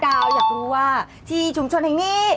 ดาวอยากรู้ว่าที่ชุมชนแห่งนี้